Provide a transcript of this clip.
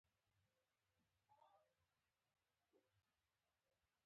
اداري اصلاحات ولې اړین دي؟